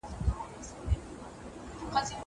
زه پرون کتابتوننۍ سره وخت تېره کړی.